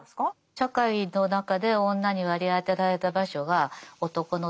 社会の中で女に割り当てられた場所は男の隣。